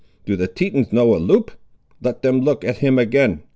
Do the Tetons know a Loup? Let them look at him again.